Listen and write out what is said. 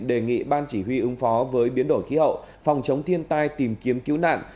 đề nghị ban chỉ huy ứng phó với biến đổi khí hậu phòng chống thiên tai tìm kiếm cứu nạn